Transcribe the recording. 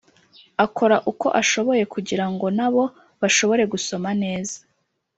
akora uko ashoboye kugira ngo na bo bashobore gusoma neza